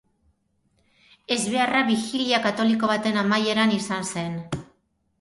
Ezbeharra bijilia katoliko baten amaieran izan zen.